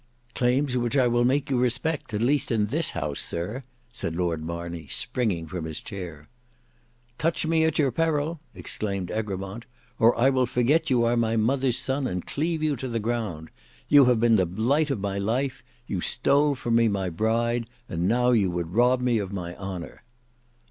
"Claims which I will make you respect, at least in this house, sir," said Lord Marney, springing from his chair. "Touch me at your peril!" exclaimed Egremont, "or I will forget you are my mother's son, and cleave you to the ground. You have been the blight of my life; you stole from me my bride, and now you would rob me of my honour."